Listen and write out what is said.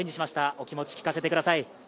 お気持ち、聞かせてください。